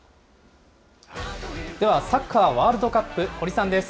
では、サッカーワールドカップ、堀さんです。